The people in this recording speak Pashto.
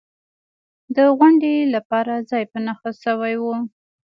د غونډې لپاره ځای په نښه شوی و.